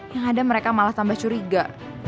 yang ada mereka malah tambah curiga